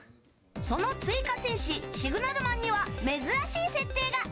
その追加戦士シグナルマンには珍しい設定が。